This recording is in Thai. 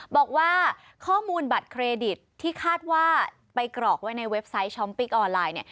บอกว่าข้อมูลบัตรเครดิตที่คาดว่าไปกรอกไว้ในเว็บไซต์ช้อมปิ๊กออนไลน์เนี่ย